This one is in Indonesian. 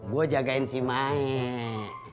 gue jagain si mayek